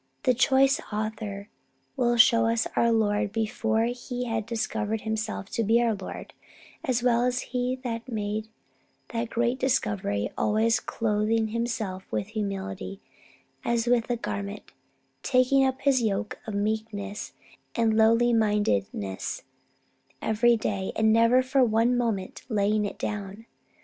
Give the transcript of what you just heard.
That choice author will show us our Lord, both before He had discovered Himself to be our Lord, as well as after He had made that great discovery, always clothing Himself with humility as with a garment; taking up His yoke of meekness and lowly mindedness every day, and never for one moment laying it down.